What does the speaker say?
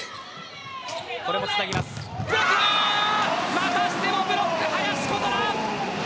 またしてもブロック、林琴奈。